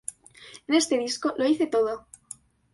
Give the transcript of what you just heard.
En este disco, lo hice todo.